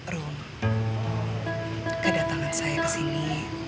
rom kedatangan saya kesini